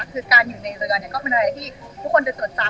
คือการอยู่ในเรือก็เป็นอะไรที่ทุกคนจะตรวจซ้ำ